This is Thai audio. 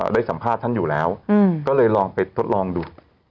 ได้สัมภาษณ์ท่านอยู่แล้วก็เลยลองไปทดลองดู